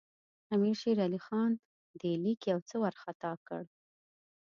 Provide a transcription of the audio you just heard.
امیر شېر علي خان دې لیک یو څه وارخطا کړ.